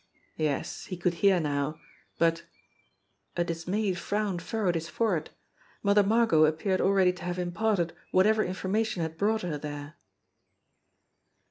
Yes, he could hear now, but a dismayed frown furrowed his forehead Mother Margot appeared already to have im parted whatever information had brought her there.